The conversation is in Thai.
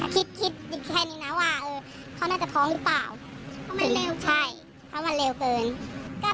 กฤตคิดแค่นี้นะว่าเขาค็น่าจะท้องหรือเปล่า